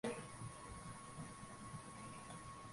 Aliunganisha maeneo ya Ujerumani na Ufaransa ya leo